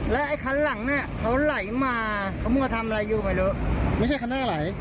แล้วไอ้คันหลังเนี่ยเขาไหลมาเขามัวทำอะไรอยู่ไม่รู้ไม่ใช่คันหน้าไหล